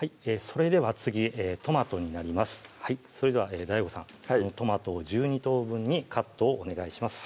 それではＤＡＩＧＯさんそのトマトを１２等分にカットをお願いします